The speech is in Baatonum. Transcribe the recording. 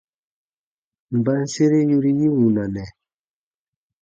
Mba n sere yori yi wunanɛ ?